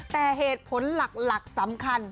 แต่เหตุผลหลักสำคัญ